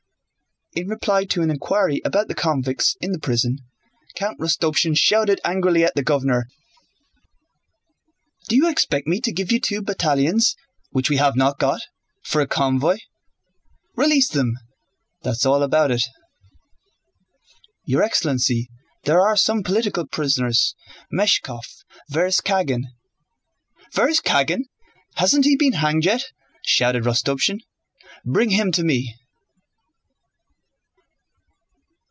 In reply to an inquiry about the convicts in the prison, Count Rostopchín shouted angrily at the governor: "Do you expect me to give you two battalions—which we have not got—for a convoy? Release them, that's all about it!" "Your excellency, there are some political prisoners, Meshkóv, Vereshchágin..." "Vereshchágin! Hasn't he been hanged yet?" shouted Rostopchín. "Bring him to me!"